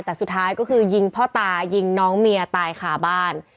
แต่สุดท้ายก็คือยิงพ่อตายิงน้องเมียตายขาบ้าน